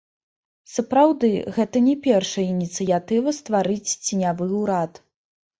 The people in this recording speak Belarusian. Сапраўды, гэта не першая ініцыятыва стварыць ценявы ўрад.